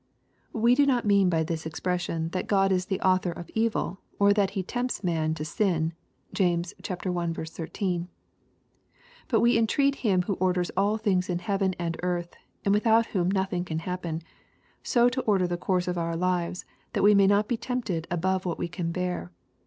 We do not mean by this expression that God is the author of evil, or that He tempts man to sin. (James i. 13.) But we entreat Him who orders all things in heaven and earth, and without whom nothing can happen, so to order the course of our lives that we may not be tempted above what we can bear.